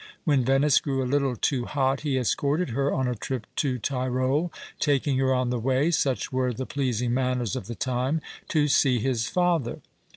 When Venice grew a little too hot he escorted her on a trip to Tirol, taking her on the way (such were the pleas ing manners of the time) to see his father